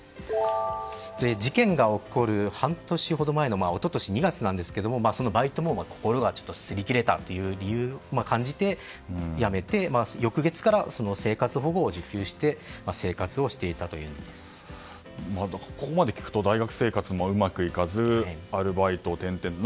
事件が起こる半年ほど前の一昨年２月なんですがそのバイトも、心が擦り切れたという理由で辞めて翌月から生活保護を受給してここまで聞くと、大学生活もうまくいかずアルバイトを転々と。